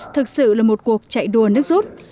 thực sự là một cuộc chạy đua nước rút